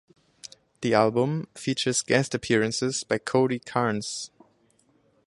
The album features guest appearances by Cody Carnes.